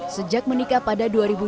sejak menikah pada dua ribu dua belas